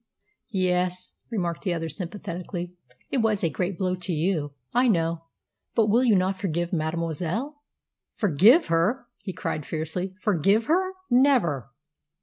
"Yes," remarked the other sympathetically, "it was a great blow to you, I know. But will you not forgive mademoiselle?" "Forgive her!" he cried fiercely, "forgive her! Never!"